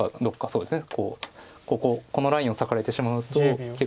そうですね。